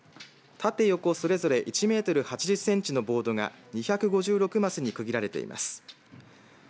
ボード縦横それぞれ１メートル８０センチのボードが２５６マスに区切られています。